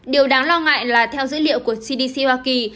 điều đáng lo ngại là theo dữ liệu của cdc hoa kỳ